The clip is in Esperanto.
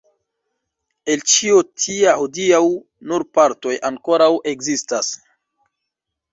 El ĉio tia hodiaŭ nur partoj ankoraŭ ekzistas.